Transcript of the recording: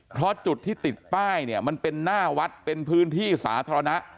เพราะจุดที่ติดป้ายเนี่ยมันเป็นหน้าวัดเป็นพื้นที่สาธารณะ